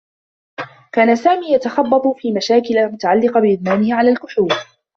كان سامي يتخبّط في مشاكل متعلّقة بإدمانه على الكحول.